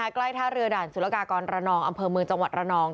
ท่าเรือด่านสุรกากรระนองอำเภอเมืองจังหวัดระนอง